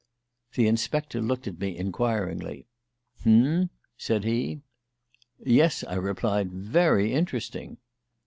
The inspector looked at me inquiringly. "H'm?" said he. "Yes," I replied. "Very interesting."